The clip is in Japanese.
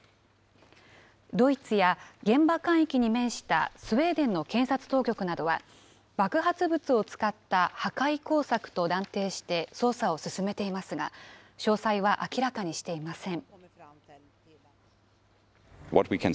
ドイツや現場海域に面したスウェーデンの検察当局などは、爆発物を使った破壊工作と断定して捜査を進めていますが、詳細は明らかにしていません。